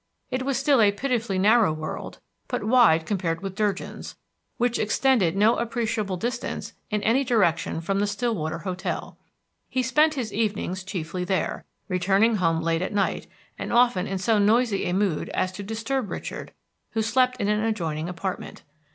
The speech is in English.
It was still a pitifully narrow world, but wide compared with Durgin's, which extended no appreciable distance in any direction from the Stillwater hotel. He spent his evenings chiefly there, returning home late at night, and often in so noisy a mood as to disturb Richard, who slept in an adjoining apartment.